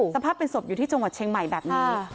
สภาพเป็นศพอยู่ที่จังหวัดเชียงใหม่แบบนี้